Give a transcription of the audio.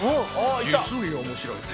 実に面白い。